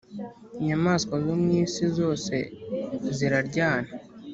inyamaswa zo mu isi zose ziraryana